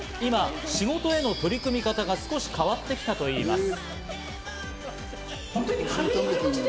仕事への取り組み方が少し変わってきたといいます。